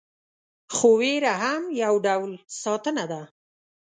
خو ویره هم یو ډول ساتنه ده.